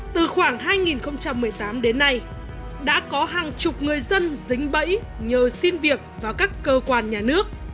từ khoảng hai nghìn một mươi tám đến nay đã có hàng chục người dân dính bẫy nhờ xin việc vào các cơ quan nhà nước